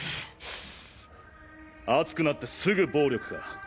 熱くなってすぐ暴力か。